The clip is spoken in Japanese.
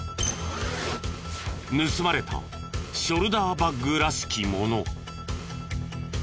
盗まれたショルダーバッグらしきもの。